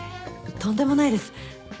とんでもないです。